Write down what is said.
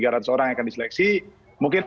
tiga ratus orang yang akan diseleksi mungkin